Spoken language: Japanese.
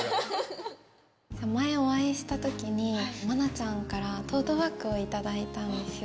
前お会いしたときに、愛菜ちゃんから、トートバッグを頂いたんですよ。